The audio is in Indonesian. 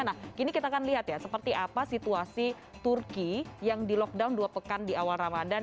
nah kini kita akan lihat ya seperti apa situasi turki yang di lockdown dua pekan di awal ramadan